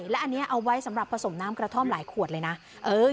และอันนี้เอาไว้สำหรับผสมน้ำกระท่อมหลายขวดเลยนะ